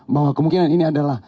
bahwa kemungkinan ini adalah